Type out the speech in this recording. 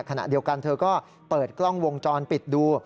ขณะเดียวกันเธอก็เปิดกล้องวงจรปิดดู